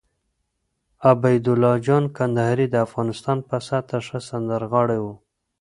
عبیدالله جان کندهاری د افغانستان په سطحه ښه سندرغاړی وو